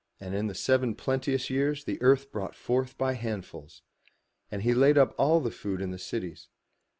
And in the seven plenteous years the earth brought forth by 296 FROM THE TOWER WINDOW handfuls. And he laid up all the food in the cities.